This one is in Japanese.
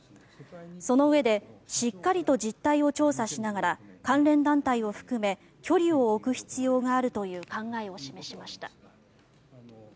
そのうえでしっかりと実態を調査しながら関連団体を含め距離を置く必要があるという考えを示しました。